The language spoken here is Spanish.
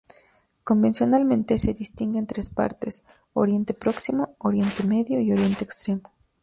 Convencionalmente se distinguen tres partes: Oriente Próximo, Oriente Medio y Oriente Extremo.